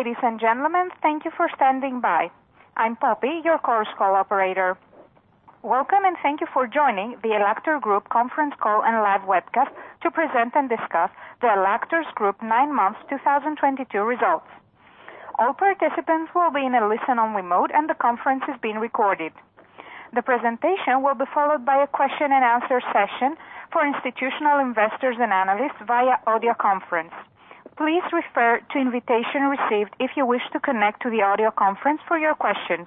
Ladies and gentlemen, thank you for standing by. I'm Poppy, your Chorus Call operator. Welcome, and thank you for joining the ELLAKTOR Group conference call and live webcast to present and discuss the ELLAKTOR Group nine months 2022 results. All participants will be in a listen-only mode, and the conference is being recorded. The presentation will be followed by a question-and-answer session for institutional investors and analysts via audio conference. Please refer to invitation received if you wish to connect to the audio conference for your questions.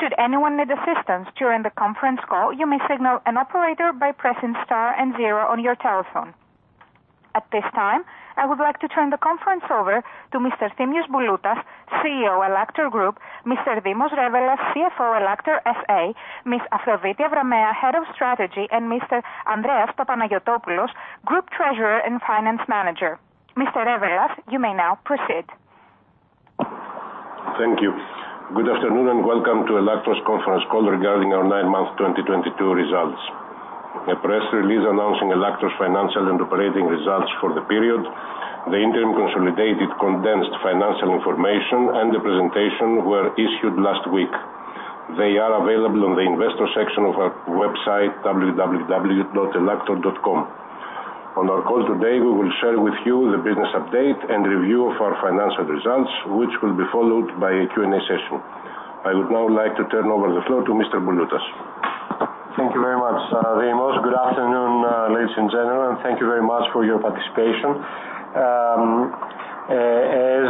Should anyone need assistance during the conference call, you may signal an operator by pressing star and zero on your telephone. At this time, I would like to turn the conference over to Mr. Efthymios Bouloutas, CEO, ELLAKTOR Group, Mr. Dimosthenis Revelas, CFO, ELLAKTOR S.A., Ms. Aphrodite Avramea, Head of Strategy, and Mr. Andreas Papanagiotopoulos, Group Treasurer and Finance Manager. Mr. Revelas, you may now proceed. Thank you. Good afternoon, and welcome to Ellaktor's conference call regarding our nine-month 2022 results. A press release announcing Ellaktor's financial and operating results for the period. The interim consolidated condensed financial information and the presentation were issued last week. They are available on the investor section of our website, www.ellaktor.com. On our call today, we will share with you the business update and review of our financial results, which will be followed by a Q&A session. I would now like to turn over the floor to Mr. Bouloutas. Thank you very much, Dimos. Good afternoon, ladies and gentlemen. Thank you very much for your participation. As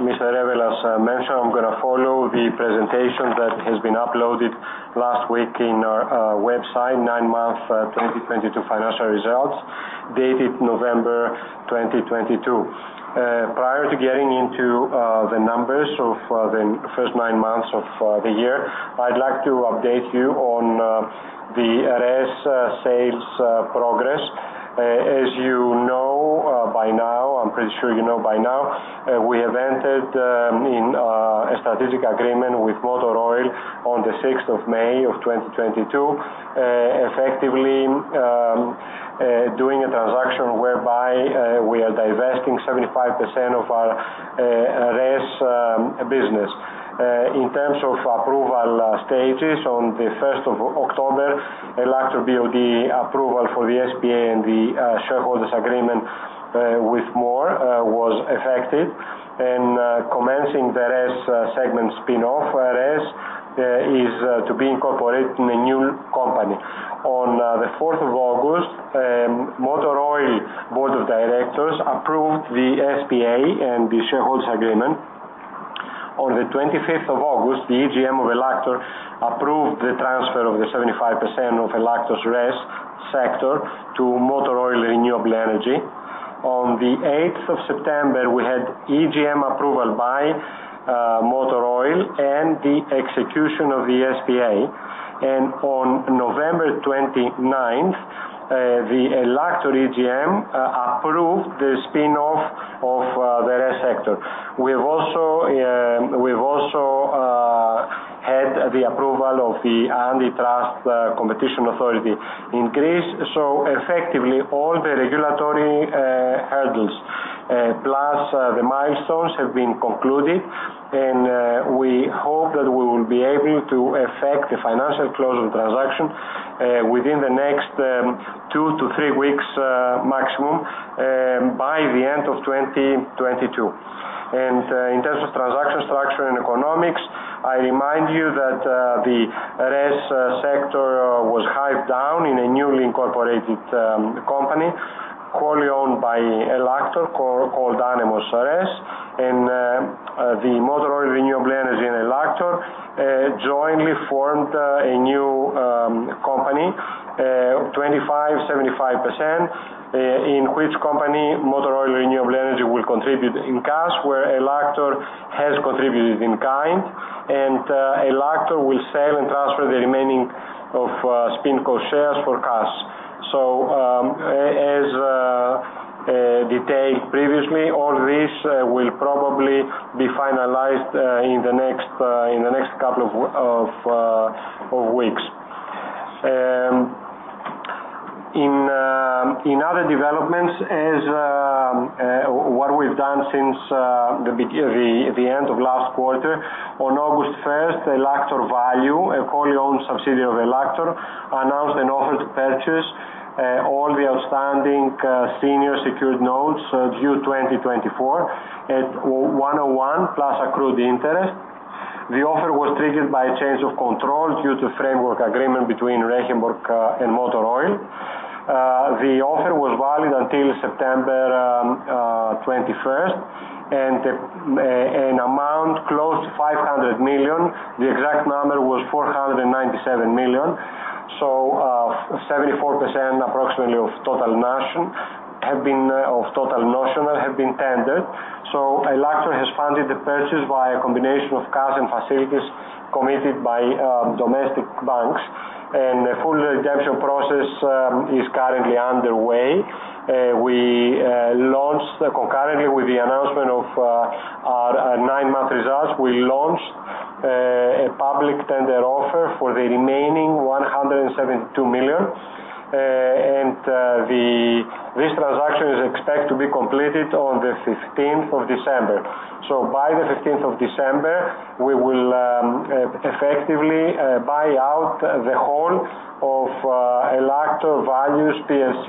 Mr. Revelas mentioned, I'm gonna follow the presentation that has been uploaded last week in our website, nine-month 2022 financial results dated November 2022. Prior to getting into the numbers of the first nine months of the year, I'd like to update you on the RES sales progress. As you know by now, I'm pretty sure by now, we have entered in a strategic agreement with Motor Oil on the 6th of May of 2022, effectively doing a transaction whereby we are divesting 75% of our RES business. In terms of approval, status, on the 1st of October, Ellaktor BoD approval for the SPA and the shareholders agreement with MOR was effective. Commencing the RES segment spin-off, RES is to be incorporated in a new company. On the 4th of August, Motor Oil board of directors approved the SPA and the shareholders agreement. On the 25th of August, the EGM of Ellaktor approved the transfer of the 75% of Ellaktor's RES sector to Motor Oil Renewable Energy. On the 8th of September, we had EGM approval by Motor Oil and the execution of the SPA. On November 29th, the Ellaktor EGM approved the spin-off of the RES sector. We've also had the approval of the Antitrust Competition Authority in Greece. Effectively all the regulatory hurdles plus the milestones have been concluded, we hope that we will be able to affect the financial close of transaction within the next 2-3 weeks maximum by the end of 2022. In terms of transaction structure and economics, I remind you that the RES sector was hived down in a newly incorporated company wholly owned by Ellaktor called Anemos RES. The Motor Oil Renewable Energy and Ellaktor jointly formed a new company 25%, 75% in which company Motor Oil Renewable Energy will contribute in cash, where Ellaktor has contributed in kind. Ellaktor will sell and transfer the remaining of Spin-Co shares for cash. As detailed previously, all this will probably be finalized in the next couple of weeks. In other developments, what we've done since This transaction is expected to be completed on the 15th of December. By the 15th of December, we will effectively buy out the whole of ELLAKTOR VALUE PLC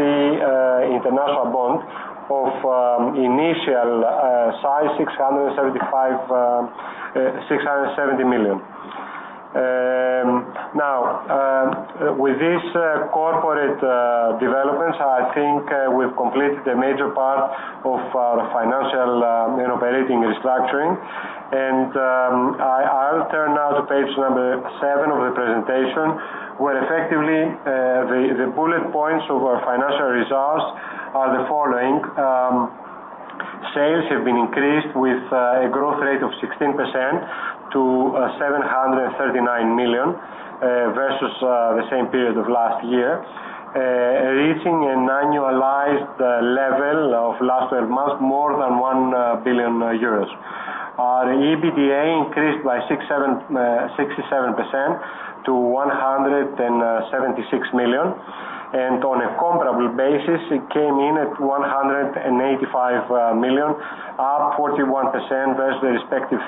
international bond of initial size 675 million, 670 million. Now, with this corporate developments, I think we've completed a major part of our financial operating restructuring. I'll turn now to page number seven of the presentation, where effectively, the bullet points of our financial results are the following. Sales have been increased with a growth rate of 16% to 739 million versus the same period of last year, reaching an annualized level of last 12 months, more than 1 billion euros. Our EBITDA increased by 67% to 176 million, and on a comparable basis, it came in at 185 million, up 41% versus the respective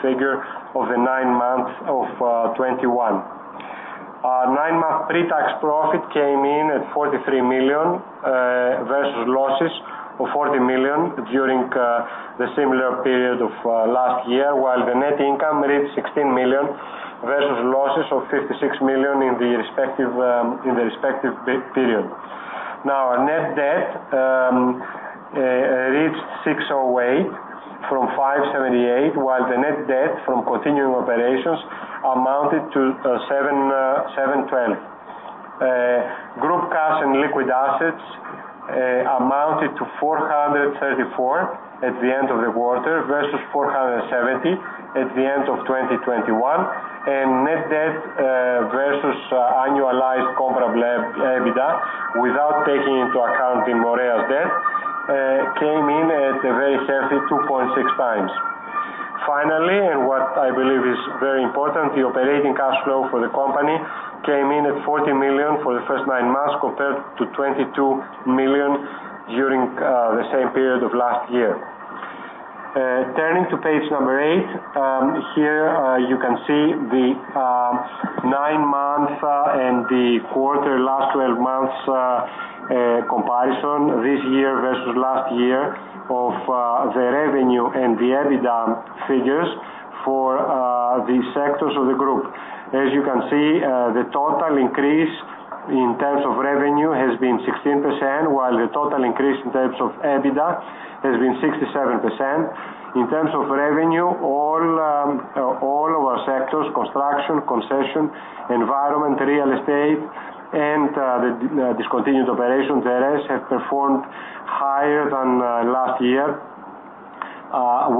figure of the nine months of 2021. Our nine-month pre-tax profit came in at EUR 43 million versus losses of 40 million during the similar period of last year, while the net income reached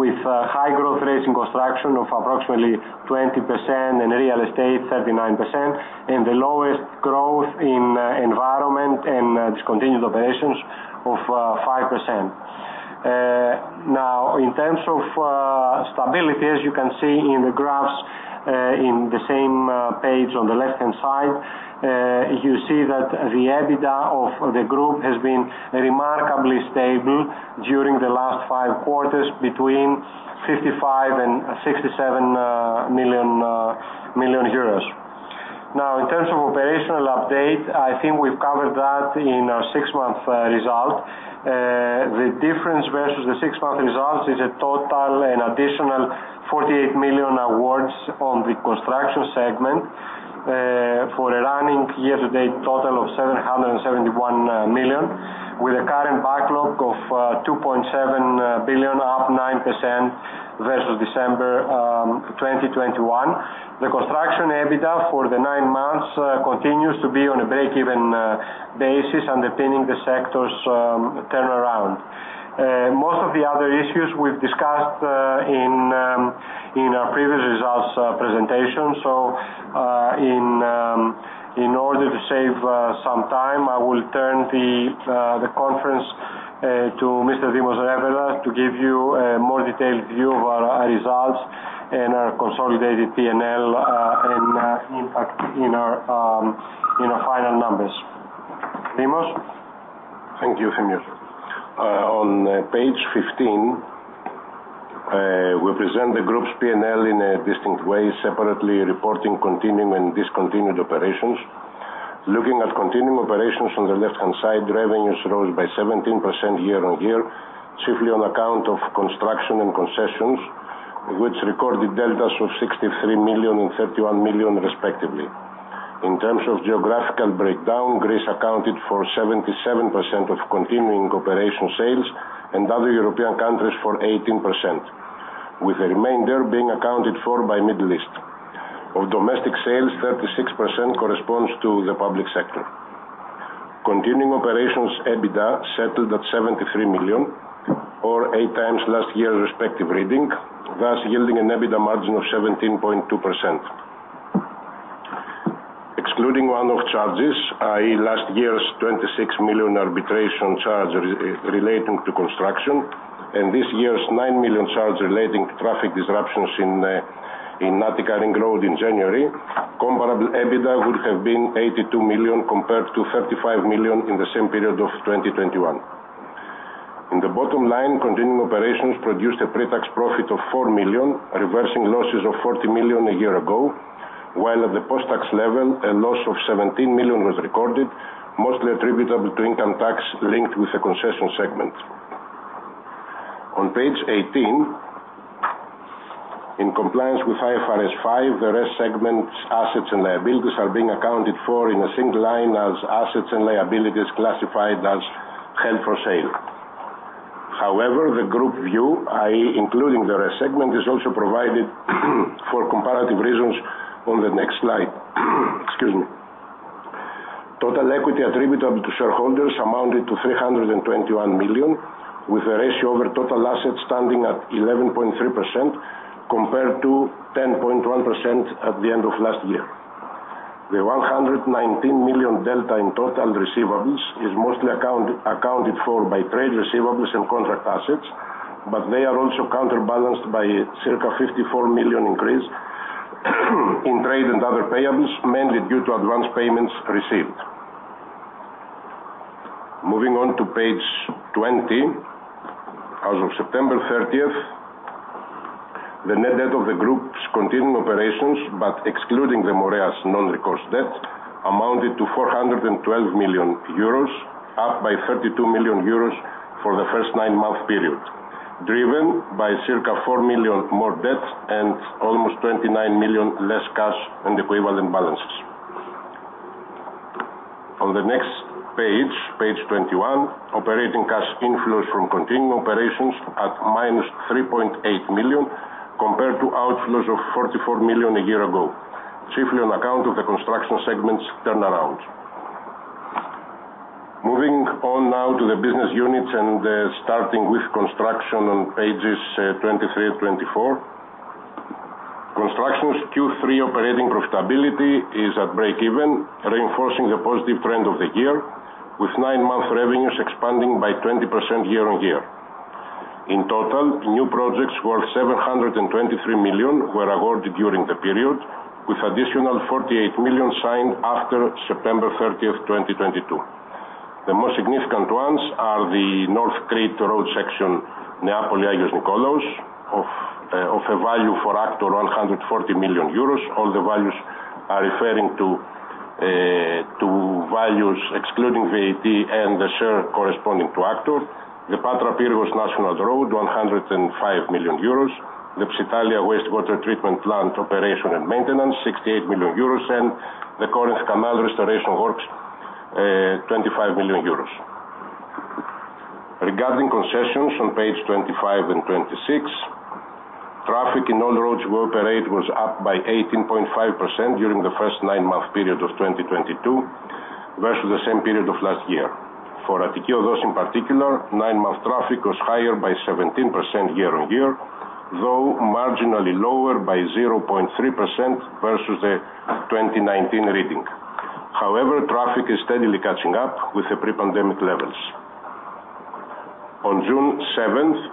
with a high growth rate in construction of approximately 20%, in real estate, 39%, and the lowest growth in environment and discontinued operations of 5%. In terms of stability, as you can see in the graphs, in the same page on the left-hand side, you see that the EBITDA of the group has been remarkably stable during the last five quarters between 55 million and 67 million euros. In terms of operational update, I think we've covered that in our six-month result. The difference versus the six-month results is a total an additional 48 million awards on the construction segment, for a running year-to-date total of 771 million, with a current backlog of 2.7 billion, up 9% versus December 2021. The construction EBITDA for the nine months continues to be on a break-even basis underpinning the sector's turnaround. Most of the other issues we've discussed in our previous results presentation. In order to save some time, I will turn the conference to Mr. Dimos Revelas to give you a more detailed view of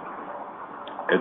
our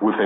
results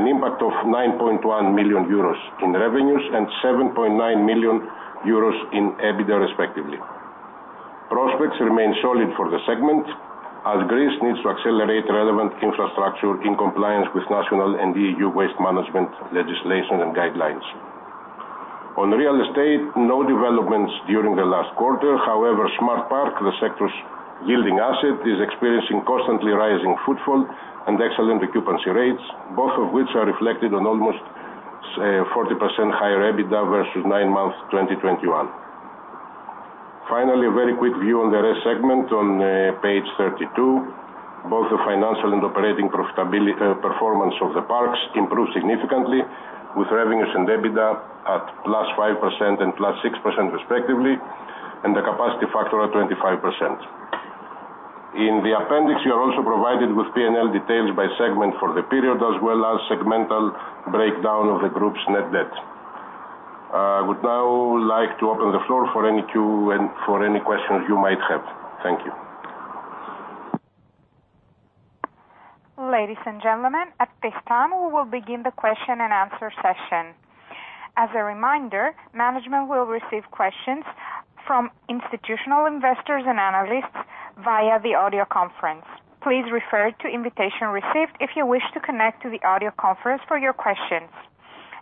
from institutional investors and analysts via the audio conference. Please refer to invitation received if you wish to connect to the audio conference for your questions.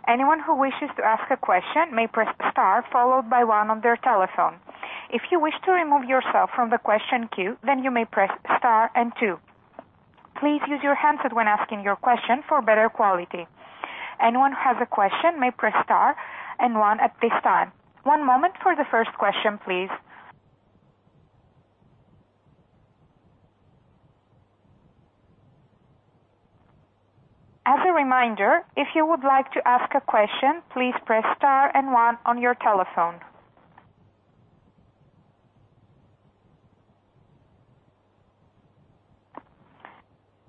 Anyone who wishes to ask a question may press star one on their telephone. If you wish to remove yourself from the question queue, then you may press star two. Please use your handset when asking your question for better quality. Anyone who has a question may press star one at this time. One moment for the first question, please. As a reminder, if you would like to ask a question, please press star one on your telephone.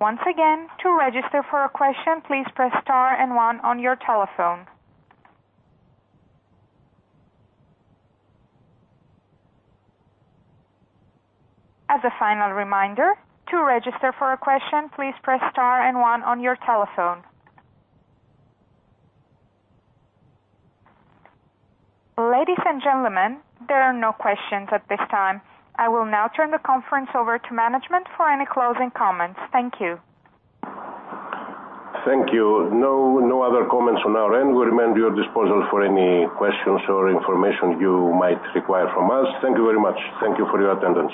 Once again, to register for a question, please press star one on your telephone. As a final reminder, to register for a question, please press star and one on your telephone. Ladies and gentlemen, there are no questions at this time. I will now turn the conference over to management for any closing comments. Thank you. Thank you. No other comments on our end. We remain at your disposal for any questions or information you might require from us. Thank you very much. Thank you for your attendance.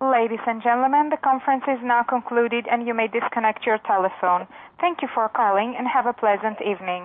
Ladies and gentlemen, the conference is now concluded, and you may disconnect your telephone. Thank you for calling and have a pleasant evening.